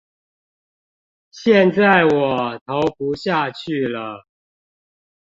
現在我投不下去了